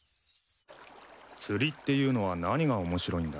釣りっていうのは何が面白いんだ？